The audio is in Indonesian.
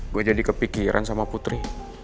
gue jadi kepikiran sama putri